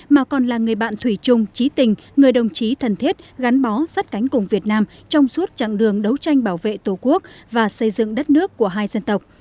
mà còn là người bạn thủy trung trí tình người đồng chí thần thiết gắn bó sắt cánh cùng việt nam trong suốt chặng đường đấu tranh bảo vệ tổ quốc và xây dựng đất nước của hai dân tộc